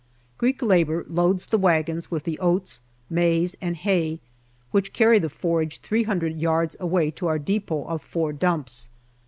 Greek labour loads the wagons with the oats, maize, and hay, which carry the forage three hundred yards away to our depot of four dumps.